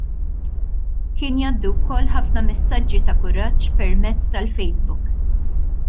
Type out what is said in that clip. Kien jgħaddi wkoll ħafna mesaġġi ta' kuraġġ permezz tal-Facebook.